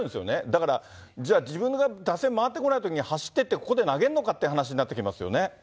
だから、じゃあ、自分の打線、回ってこないときに、走ってって、ここで投げるのかっていう話になってきますよね。